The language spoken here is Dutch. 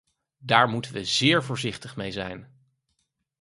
Daar moeten we zeer voorzichtig mee zijn.